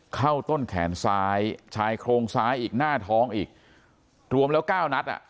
เข้าต้นแขนซ้ายชายโครงซ้ายอีกหน้าท้องอีกรวมแล้วเก้านัดอ่ะ